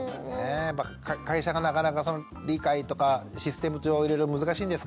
会社がなかなか理解とかシステム上いろいろ難しいんですか？